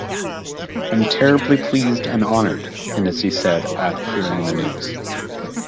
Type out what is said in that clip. "I'm terribly pleased and honoured," Hennessy said at hearing the news.